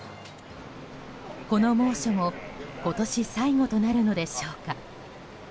この猛暑も今年最後となるのでしょうか？